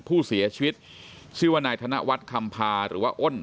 ผู้เสียชีวิตชื่อว่านายธนวัฒน์คำพาหรือว่าอ้น